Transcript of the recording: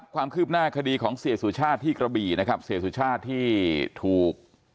ความคืบหน้าคดีของเสียสุชาติที่กระบี่นะครับเสียสุชาติที่ถูก